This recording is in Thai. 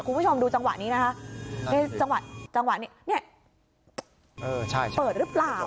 คุณผู้ชมดูจังหวะนี้นะคะจังหวะจังหวะนี้เนี่ยเปิดหรือเปล่า